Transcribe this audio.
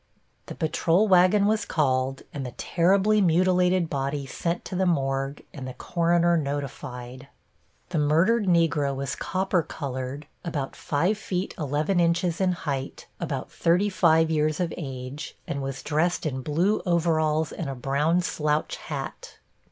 The patrol wagon was called and the terribly mutilated body sent to the morgue and the coroner notified. The murdered Negro was copper colored, about 5 feet 11 inches in height, about 35 years of age, and was dressed in blue overalls and a brown slouch hat.